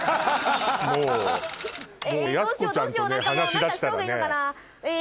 何かした方がいいのかな？